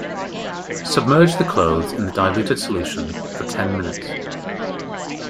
Submerge the clothes in the diluted solution for ten minutes.